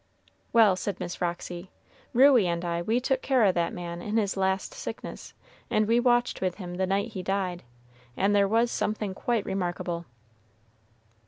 "Well," said Miss Roxy; "Ruey and I we took care o' that man in his last sickness, and we watched with him the night he died, and there was something quite remarkable."